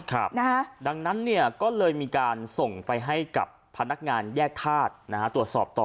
ดังนั้นเนี่ยก็เลยมีการส่งไปให้กับพนักงานแยกธาตุตรวจสอบต่อ